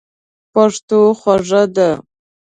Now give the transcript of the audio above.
پښتو خوږه ده.